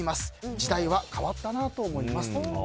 時代は変わったなと思います。